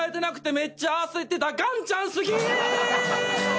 「めっちゃ焦ってた岩ちゃん好き！」